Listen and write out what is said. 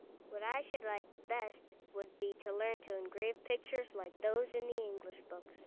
What I should like best would be to learn to engrave pictures like those in the English books.